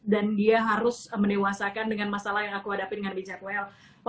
dan dia harus menewasakan dengan masalah yang aku hadapin dengan bijak well